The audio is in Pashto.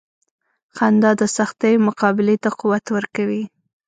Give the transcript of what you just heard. • خندا د سختیو مقابلې ته قوت ورکوي.